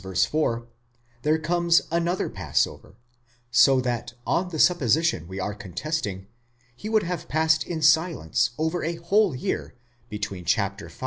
4, there comes another Passover, so that on the supposition we are contesting, he would have passed in silence over a whole year between v.